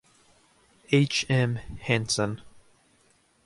H. M. Hannesson.